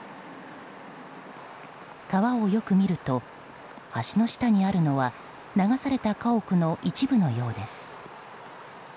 川をよく見ると橋の下にあるのは流された家屋の一部のようです。